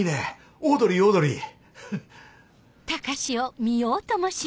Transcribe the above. オードリーオードリー！